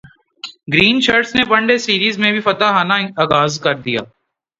green shirts نے one day series میں بھی فاتحانہ غاز کر دیا